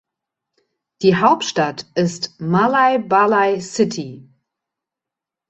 Die Hauptstadt ist Malaybalay City.